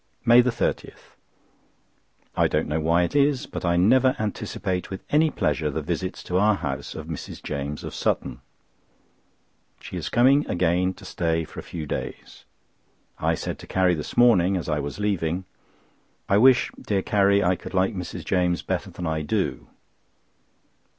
MAY 30.—I don't know why it is, but I never anticipate with any pleasure the visits to our house of Mrs. James, of Sutton. She is coming again to stay for a few days. I said to Carrie this morning, as I was leaving: "I wish, dear Carrie, I could like Mrs. James better than I do."